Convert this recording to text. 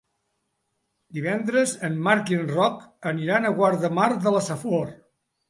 Divendres en Marc i en Roc aniran a Guardamar de la Safor.